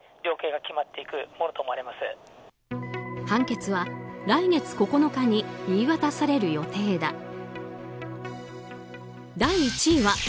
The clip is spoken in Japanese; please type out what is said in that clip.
判決は来月９日に言い渡される予定だ。